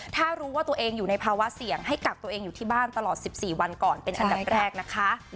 ถ้ารู้ว่าตัวเองอยู่ในภาวะเสี่ยงให้กักตัวเองอยู่ที่บ้านตลอด๑๔วันก่อนเป็นอันดับแรกนะคะ